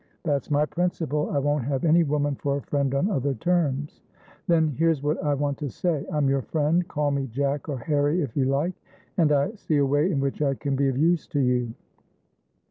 "That's my principle. I won't have any woman for a friend on other terms." "Thenhere's what I want to say. I'm your friendcall me Jack or Harry, if you likeand I see a way in which I can be of use to you.